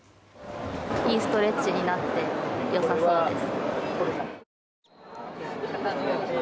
いいストレッチになって良さそうです。